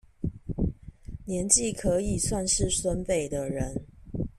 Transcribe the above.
年紀可以算是孫輩的人